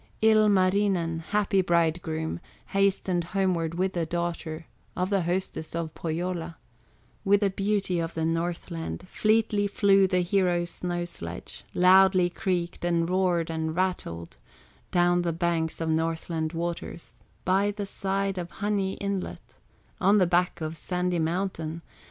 Ilmarinen, happy bridegroom, Hastened homeward with the daughter Of the hostess of Pohyola, With the beauty of the Northland; Fleetly flew the hero's snow sledge, Loudly creaked, and roared, and rattled Down the banks of Northland waters, By the side of Honey inlet, On the back of Sandy Mountain.